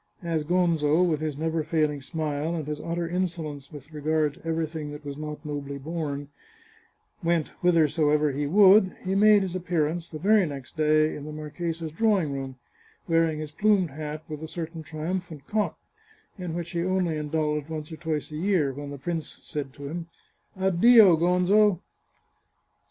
As Gonzo, with his never failing smile and his utter insolence with regard to everything that was not nobly born, went whithersoever he would, he made his appearance, the very next day, in the marchesa's drawing room, wearing his plumed hat with a certain triumphant cock, in which he only indulged once or twice a year, when the prince had said to him " Addio, Gonzo."